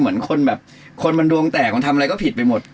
เหมือนคนแบบคนมันดวงแตกมันทำอะไรก็ผิดไปหมด